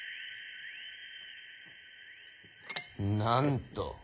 なんと。